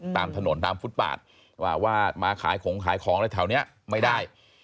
ตามถนนตามฟุตบาทว่ามาขายของขายของอะไรแถวนี้ไม่ได้